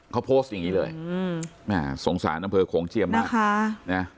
เขาโพสต์อย่างนี้เลยแม่สงสารอำเภอโขงเจียมมาก